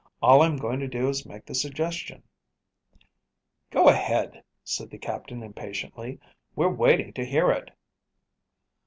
"All I am going to do is to make the suggestion." "Go ahead," said the captain impatiently, "we're waiting to hear it."